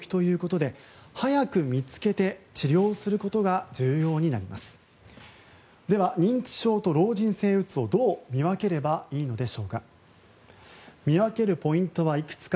では認知症と老人性うつをどう見分ければいいのでしょうか。